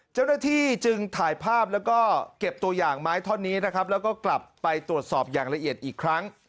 เจ้าหน้าที่จึงถ่ายภาพแล้วก็เก็บตัวอย่างไม้ท่อนนี้นะครับแล้วก็กลับไปตรวจสอบอย่างละเอียดอีกครั้ง